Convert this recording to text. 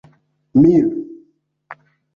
mil